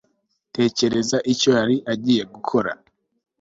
tekereza icyo yari agiye gukora